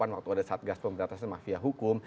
waktu ada satgas pemberantasan mafia hukum